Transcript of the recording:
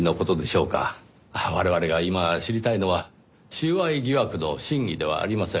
我々が今知りたいのは収賄疑惑の真偽ではありません。